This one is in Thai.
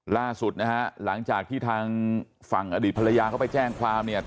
ล่าสุดนะฮะหลังจากที่ทางฝั่งอดีตภรรยาเขาไปแจ้งความเนี่ย